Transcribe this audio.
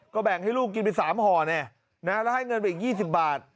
ก็แบ่งให้ลูกกินไป๓ห่อแน่แล้วให้เงินไปอีก๒๐บาท